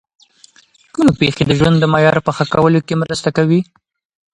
کومې پېښې د ژوند د معیار په ښه کولو کي مرسته کوي؟